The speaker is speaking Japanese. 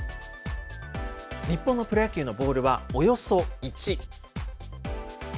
日本のプロ野球のボールは、およそ１。